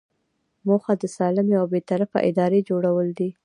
موخه د سالمې او بې طرفه ادارې جوړول دي.